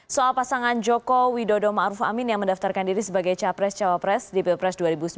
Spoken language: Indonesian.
soal pasangan joko widodo ⁇ maruf ⁇ amin yang mendaftarkan diri sebagai capres cawapres di pilpres dua ribu sembilan belas